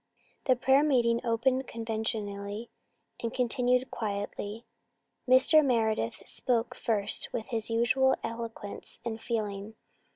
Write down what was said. The prayer meeting opened conventionally and continued quietly. Mr. Meredith spoke first with his usual eloquence and feeling.